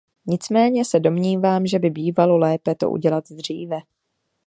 Nicméně se domnívám, že by bývalo lépe to udělat dříve.